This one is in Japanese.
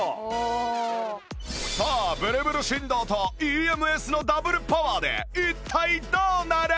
さあブルブル振動と ＥＭＳ のダブルパワーで一体どうなる？